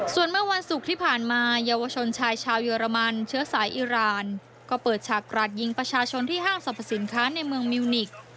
ส่วนเมื่อวันศุกร์ที่ผ่านมาเยาวชนชายชาวเยอรมันเชื้อสายอิราณก็เปิดฉากกราดยิงประชาชนที่ห้างสรรพสินค้าในเมืองมิวนิกส์